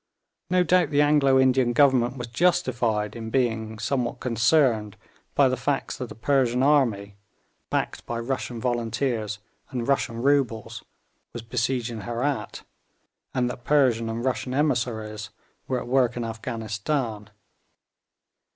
No doubt the Anglo Indian Government was justified in being somewhat concerned by the facts that a Persian army, backed by Russian volunteers and Russian roubles, was besieging Herat, and that Persian and Russian emissaries were at work in Afghanistan.